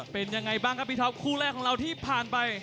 เป็นยังไงบ้างครับพี่ท็อปคู่แรกของเราที่ผ่านไป